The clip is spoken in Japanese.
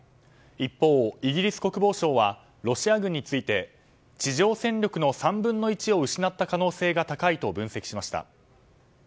一方、イギリス国防省はロシア軍について地上戦力の３分の１を失った可能性が高いと分析しました。